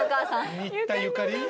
新田ゆかり？